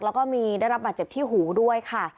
แล้วก็มีได้รับบาดเจ็บที่หูด้วยค่ะ